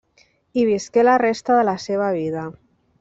Hi visqué la resta de la seva vida.